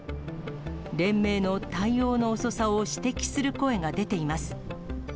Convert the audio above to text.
連盟の対応の遅さを指摘する声が出ています。